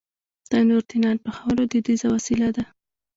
تنور د نان پخولو دودیزه وسیله ده